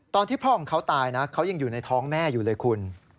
ตอนที่พ่อของเขาตายนะเขายังอยู่ในท้องแม่อยู่เลยคุณ